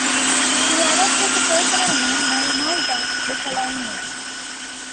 He adopted the personal name "Morimasa" the following year.